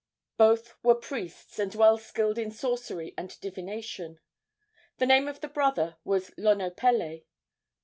Both were priests and well skilled in sorcery and divination. The name of the brother was Lonopele.